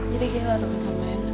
jadi gini lah teman teman